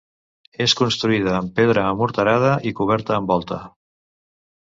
És construïda amb pedra amorterada i coberta amb volta.